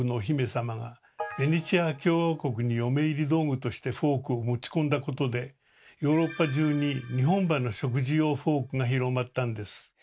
それまでヴェネツィア共和国に嫁入り道具としてフォークを持ち込んだことでヨーロッパ中に２本歯の食事用フォークが広まったんです。